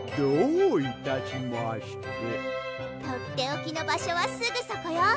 とっておきのばしょはすぐそこよ！